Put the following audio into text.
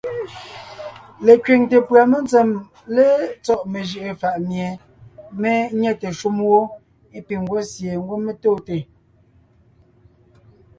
Lekẅiŋte pʉ̀a mentsém létsɔ́ mejʉ’ʉ fà’ mie mé nyɛte shúm wó é piŋ ńgwɔ́ sie ńgwɔ́ mé tóonte.